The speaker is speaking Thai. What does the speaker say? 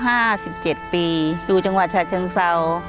ห้าสิบเจ็ดปีอยู่จังหวัดฉะเชิงเศร้า